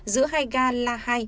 giữa hai ga la hai